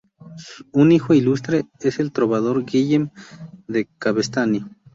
Un hijo ilustre es el trovador Guillem de Cabestany.